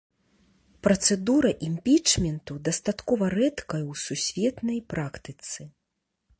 Працэдура імпічменту дастаткова рэдкая ў сусветнай практыцы.